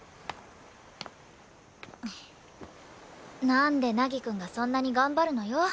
なんで凪くんがそんなに頑張るのよ。